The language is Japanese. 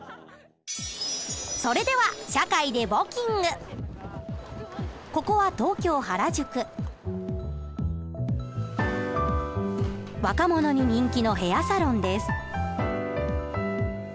それではここは若者に人気のヘアサロンです。